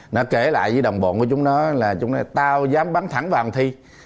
nó kể lại với đồng bộ của chúng nó là chúng nó là tao dám bắn thẳng vào thằng thi